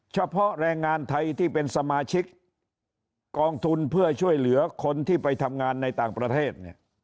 เฉพาะแรงงานไทยที่เป็นสมาชิกกองทุนเพื่อช่วยเหลือคนที่ไปทำงานในต่างประเทศเนี่ย